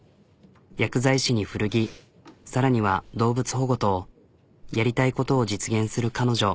薬剤師に古着さらには動物保護とやりたいことを実現する彼女。